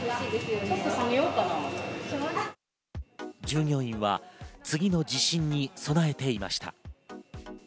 従業員は次の地震に備えていました。